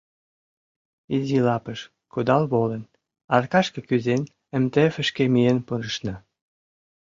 Изи лапыш кудал волен, аркашке кӱзен, МТФ-шке миен пурышна.